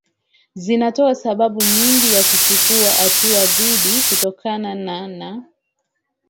zinatoa sababu nyingine ya kuchukua hatua dhidiKutokana na